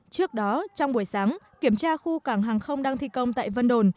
trước đó trong buổi sáng kiểm tra khu cảng hàng không đang thi công tại vân đồn